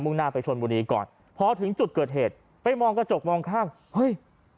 หน้าไปชนบุรีก่อนพอถึงจุดเกิดเหตุไปมองกระจกมองข้างเฮ้ย